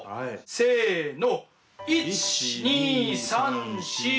せの。